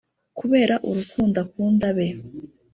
kubera urukundo akunda abe